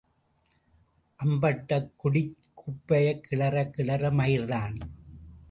அம்பட்டக்குடிக் குப்பையைக் கிளறக் கிளற மயிர்தான்.